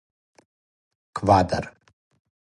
квадар